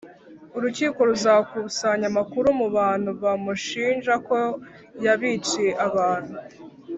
Urukiko ruzakusanya amakuru mu bantu bamushinja ko yabiciye abantu